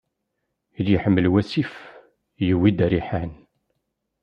I d-iḥmel wassif, yewwi-d ariḥan.